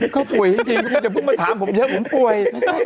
ก็ป่วยจริงก็กลงจะพึ่งมาถามผมเท่าไหร่ผมป่วย